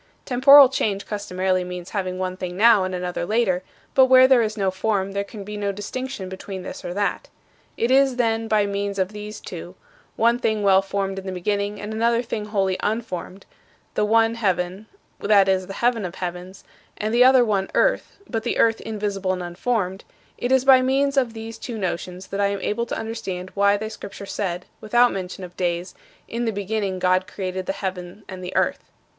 Temporal change customarily means having one thing now and another later; but where there is no form there can be no distinction between this or that. It is, then, by means of these two one thing well formed in the beginning and another thing wholly unformed, the one heaven (that is, the heaven of heavens) and the other one earth (but the earth invisible and unformed) it is by means of these two notions that I am able to understand why thy Scripture said, without mention of days, "In the beginning God created the heaven and the earth."